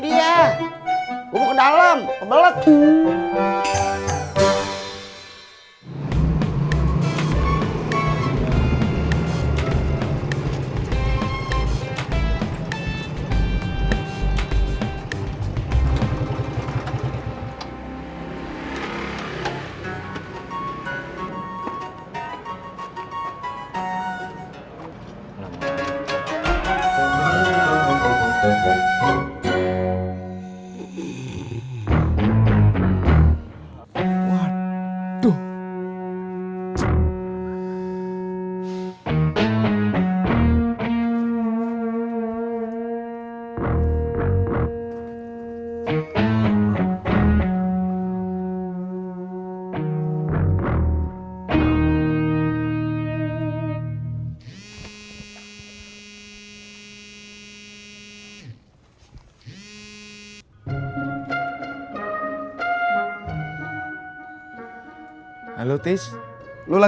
saya mau nyamperin dia